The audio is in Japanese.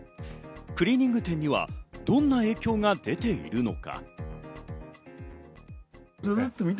クリーニング店にはどんな影響が出ているのか。